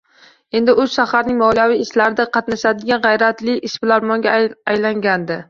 Endi u shaharning moliyaviy ishlarida qatnashadigan g`ayratli ishbilarmonga aylangandi